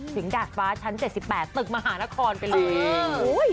ดาดฟ้าชั้น๗๘ตึกมหานครไปเลย